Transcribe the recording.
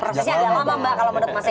harusnya lama mbak kalau menurut mas eko